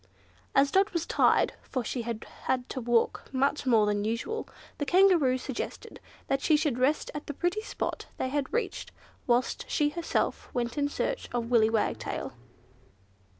As Dot was tired (for she had had to walk much more than usual) the Kangaroo suggested that she should rest at the pretty spot they had reached, whilst she herself went in search of Willy Wagtail.